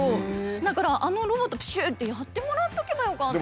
だからあのロボットプシュッてやってもらっとけばよかった。